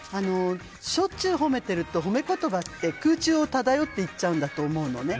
しょっちゅう褒めていると褒め言葉って空中を漂っていっちゃうんだと思うのね。